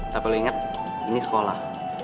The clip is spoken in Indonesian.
tapi lo inget ini sekolah